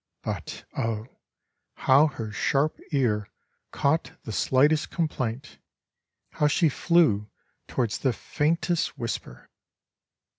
But, oh! how her sharp ear caught the slightest complaint! How she flew towards the faintest whisper!